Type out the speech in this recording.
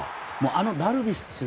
あのダルビッシュ